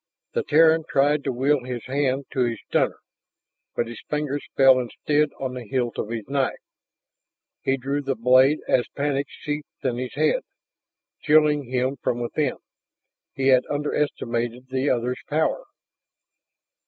The Terran tried to will his hand to his stunner, but his fingers fell instead on the hilt of his knife. He drew the blade as panic seethed in his head, chilling him from within. He had underestimated the other's power....